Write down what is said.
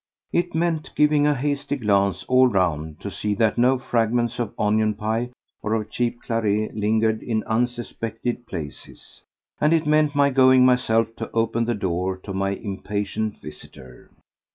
It meant giving a hasty glance all round to see that no fragments of onion pie or of cheap claret lingered in unsuspected places, and it meant my going, myself, to open the door to my impatient visitor.